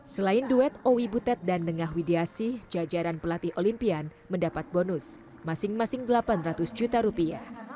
selain duet owi butet dan nengah widiasih jajaran pelatih olimpian mendapat bonus masing masing delapan ratus juta rupiah